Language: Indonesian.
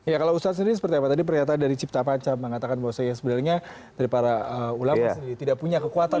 ya kalau ustadz sendiri seperti apa tadi pernyataan dari cipta panca mengatakan bahwa sebenarnya dari para ulama sendiri tidak punya kekuatan